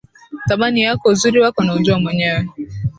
Thamani yako, uzuri wako, naujua mwenyewe.